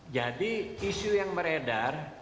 jadi isu yang beredar